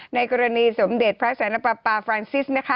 ในกรณีสมเด็จพระสุรรุปพฟารนซิส